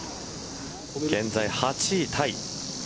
現在８位タイ。